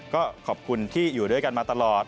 ก็ขอบคุณที่อยู่ด้วยกันมาตลอด